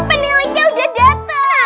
peniliknya udah dateng